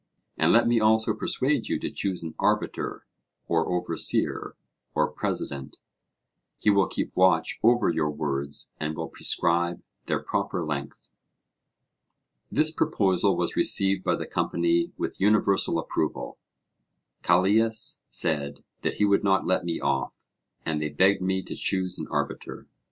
And let me also persuade you to choose an arbiter or overseer or president; he will keep watch over your words and will prescribe their proper length. This proposal was received by the company with universal approval; Callias said that he would not let me off, and they begged me to choose an arbiter.